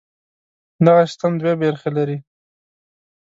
دغه سیستم دوې برخې لري.